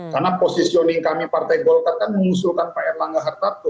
karena posisioning kami partai golkar kan mengusulkan pak erlangga hartarto